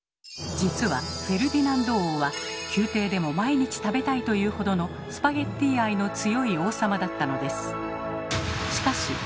実はフェルディナンド王は宮廷でも毎日食べたいというほどのスパゲッティ愛の強い王様だったのです。